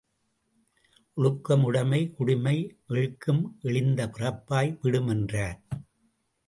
ஒழுக்கம் உடைமை குடிமை இழுக்கம் இழிந்த பிறப்பாய் விடும் என்றார்.